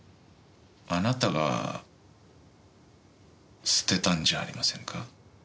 あなたが捨てたんじゃありませんか？